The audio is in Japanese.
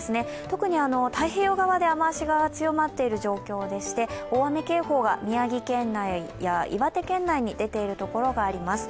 特に太平洋側で雨足が強まっている状況でして大雨警報が宮城県内や岩手県内に出ているところがあります。